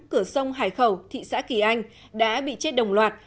cửa sông hải khẩu thị xã kỳ anh đã bị chết đồng loạt